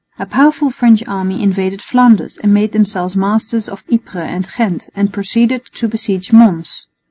A powerful French army invaded Flanders and made themselves masters of Ypres and Ghent and proceeded to besiege Mons.